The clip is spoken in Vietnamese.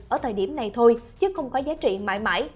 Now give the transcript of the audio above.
ở thời điểm này thôi chứ không có giá trị mãi mãi